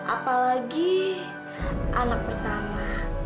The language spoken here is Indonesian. apalagi anak pertama